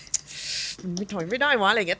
ทำไม่ได้วะอะไรอย่างเงี้ย